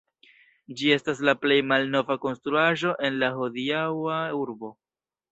Ĝi estas la plej malnova konstruaĵo en la hodiaŭa urbo.